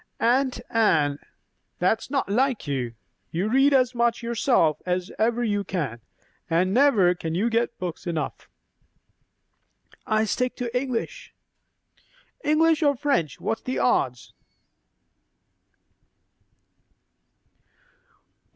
"Aunt Anne, that's not like you! You read as much yourself as ever you can; and never can get books enough." "I stick to English." "English or French, what's the odds?"